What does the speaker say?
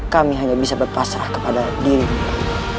kami hanya bisa berpasrah kepada dirinya